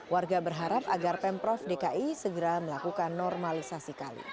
warga berharap agar pemprov dki segera melakukan normalisasi kali